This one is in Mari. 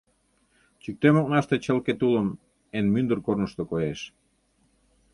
Чӱктем окнаште чылке тулым — Эн мӱндыр корнышто коеш.